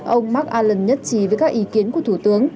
ông mark irelan nhất trí với các ý kiến của thủ tướng